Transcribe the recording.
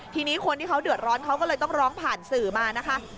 ทีนี้คนที่เขาเดือดร้อนเขาก็เลยต้องร้องผ่านสื่อมานะคะ